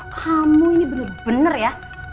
kamu ini bener bener ya